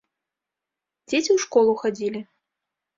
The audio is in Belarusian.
Дзеці ў школу хадзілі.